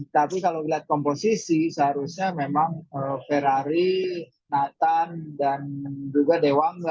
tapi kalau lihat komposisi seharusnya memang ferrari nathan dan juga dewangga